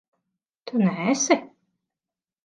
Tu neesi?